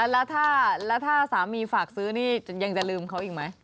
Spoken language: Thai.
แล้วถ้าสามีฝากซื้อนี่ยังจะลืมเขาอีกไหม